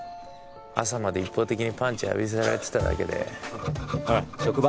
朝まで一方的にパンチ浴びせられてただけでほら職場